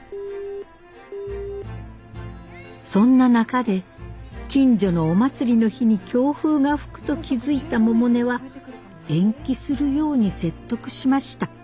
そんな中で近所のお祭りの日に強風が吹くと気付いた百音は延期するように説得しました。